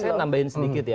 saya nambahin sedikit ya